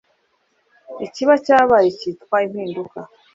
ikiba cyabaye cyitwa impinduka